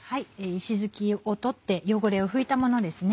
石づきを取って汚れを拭いたものです。